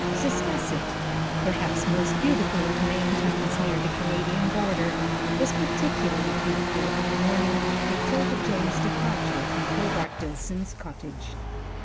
Ciscasset, perhaps most beautiful of Maine towns near the Canadian border, was particularly beautiful on the morning after 'Tilda Jane's departure from Hobart Dillson's cottage.